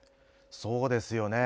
そうですよね。